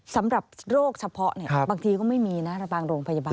สำหรับโรคเฉพาะบางทีก็ไม่มีนะบางโรงพยาบาล